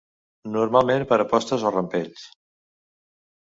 Normalment per apostes o rampells.